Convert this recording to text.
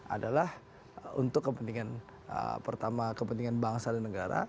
adalah untuk kepentingan pertama kepentingan bangsa dan negara